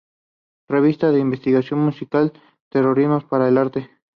Revista de investigación musical: Territorios para el arte.